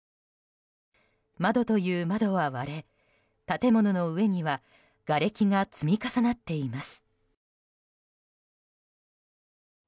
窓という窓は割れ、建物の上にはがれきが積み重なっています。